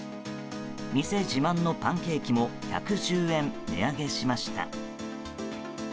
店自慢のパンケーキも１１０円値上げしました。